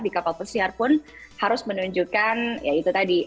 di kapal pesiar pun harus menunjukkan ya itu tadi